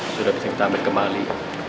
sudah bisa kita ambil kembali